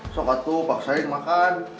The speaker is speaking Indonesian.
sok atuh paksain makan